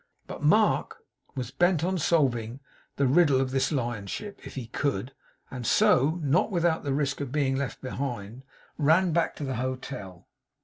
But Mark was bent on solving the riddle of this lionship, if he could; and so, not without the risk of being left behind, ran back to the hotel.